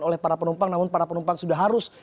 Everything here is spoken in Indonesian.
oleh para penumpang namun para penumpang sudah harus